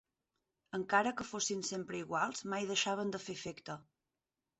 Encare que fossin sempre iguals, mai deixaven de fer efecte.